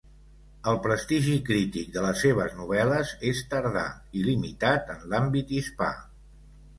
El prestigi crític de les seves novel·les és tardà i limitat en l'àmbit hispà.